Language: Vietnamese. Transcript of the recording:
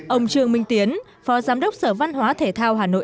ông trương minh tiến phó giám đốc sở văn hóa thể thao hà nội